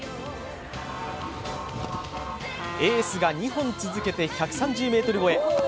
エースが２本続けて１３０ｍ超え。